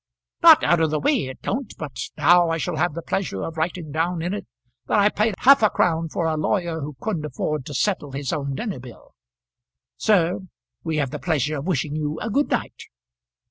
"Not out of the way, it don't. But now I shall have the pleasure of writing down in it that I paid half a crown for a lawyer who couldn't afford to settle his own dinner bill. Sir, we have the pleasure of wishing you a good night."